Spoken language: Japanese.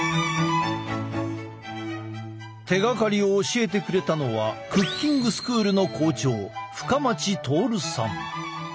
手がかりを教えてくれたのはクッキングスクールの校長深町亨さん。